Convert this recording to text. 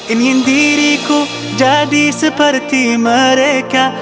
ingin diriku jadi seperti mereka